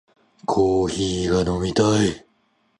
コーヒーが飲みたい